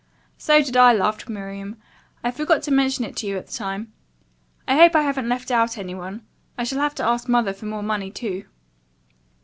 "So did I," laughed Miriam. "I forgot to mention it to you at the time. I hope I haven't left out any one. I shall have to ask Mother for more money, too."